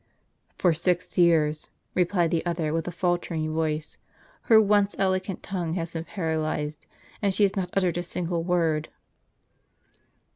"For six years," replied the other, with a faltering voice, " her once eloquent tongue has been paralyzed, and she has not uttered a single word."